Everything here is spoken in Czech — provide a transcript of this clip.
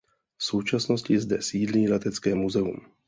V současnosti zde sídlí letecké muzeum.